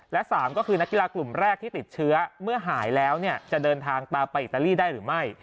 และ๓ก็คือนักกีฬากลุ่มแรกที่ติดเชื้อเมื่อหายแล้วจะเดินทางตามไปอิตาลีได้หรือไม่